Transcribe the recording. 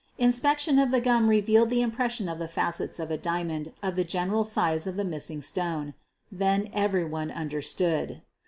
Inspection of the gum revealed the impres sion of the facets of a diamond of the general size of the missing stone. Then everyone understood.